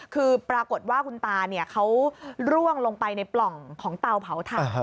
คือปรากฏว่าคุณตาเขาร่วงลงไปในปล่องของเตาเผาถ่าน